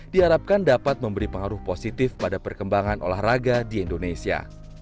diharapkan dapat memberi pengaruh positif pada perkembangan olahraga di indonesia